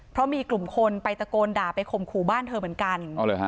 เพราะมีกลุ่มคนไปตะโกนด่าไปข่มขู่บ้านเธอเหมือนกัน